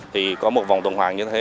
thì có một vòng tuần hoàng như thế